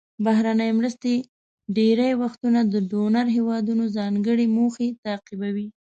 بهرنۍ مرستې ډیری وختونه د ډونر هیوادونو ځانګړې موخې تعقیبوي.